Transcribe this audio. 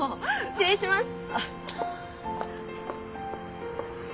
失礼します！